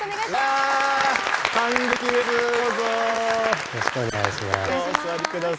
よろしくお願いします。